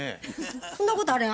そんなことあれへん。